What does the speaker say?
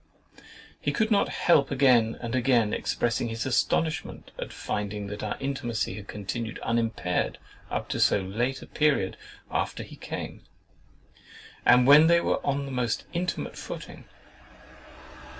He could not help again and again expressing his astonishment at finding that our intimacy had continued unimpaired up to so late a period after he came, and when they were on the most intimate footing.